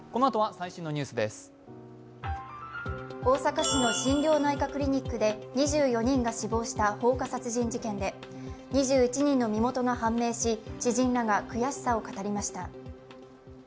大阪市の心療内科クリニックで２４人が死亡した放火殺人事件で２１人の身元が判明し、知人らが悔しさを語りました。